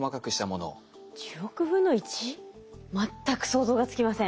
全く想像がつきません。